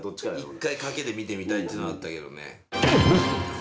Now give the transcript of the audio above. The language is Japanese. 一回賭けで見てみたいっていうのはあったけどね。